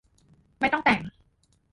ไม่ต้องแต่ง